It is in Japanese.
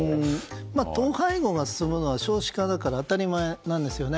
統廃合が進むのは少子化だから当たり前なんですよね。